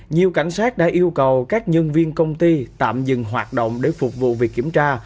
nhiều cảnh sát đã yêu cầu các nhân viên công ty tạm dừng hoạt động để phục vụ việc kiểm tra